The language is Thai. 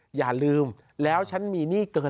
๙จำว่าเราต้องจ่ายชำระหนี้วันไหน